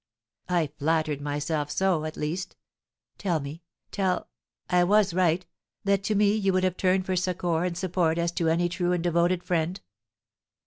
I flattered myself so, at least. Tell me, tell I was right, that to me you would have turned for succour and support as to any true and devoted friend?"